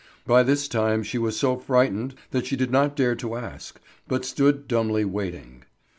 By this time she was so frightened that she did not dare to ask, but stood dumbly waiting.